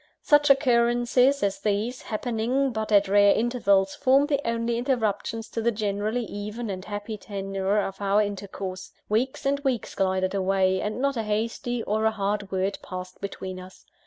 Such occurrences as these, happening but at rare intervals, formed the only interruptions to the generally even and happy tenour of our intercourse. Weeks and weeks glided away, and not a hasty or a hard word passed between us.